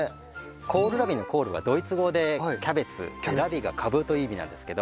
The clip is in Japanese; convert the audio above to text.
コールラビの「コール」はドイツ語でキャベツ「ラビ」がカブという意味なんですけど。